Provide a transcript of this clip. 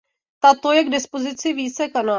Takto je k dispozici více kanálů.